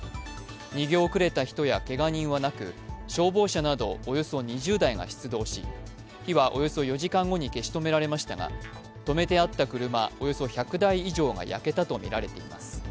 逃げ遅れた人やけが人はなく消防車などおよそ２０台が出動し火はおよそ２時間後に消し止められましたが止めてあった車、およそ１００台以上が焼けたとみられています。